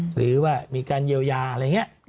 หรือว่ามีการเยียวยาอะไรอย่างนี้